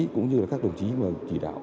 cũng như các đồng chí chỉ đạo